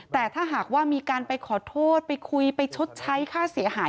แต่ถ้าหากว่ามีการไปขอโทษไปคุยไปชดใช้ค่าเสียหาย